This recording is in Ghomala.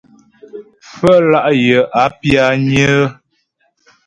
Pfə́lá' yə̀ a pyányə́.